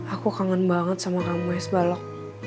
aku kangen banget sama kamu es balok